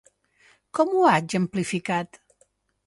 Com ho ha exemplificat?